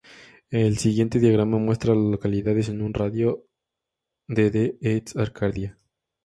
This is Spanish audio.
El siguiente diagrama muestra a las localidades en un radio de de East Arcadia.